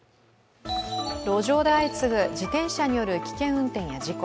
路上で相次ぐ、自転車による危険運転や事故。